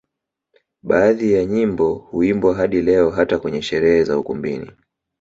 Baadhi ya nyimbo huimbwa hadi leo hata kwenye sherehe za ukumbini